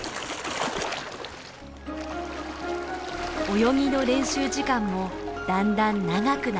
泳ぎの練習時間もだんだん長くなります。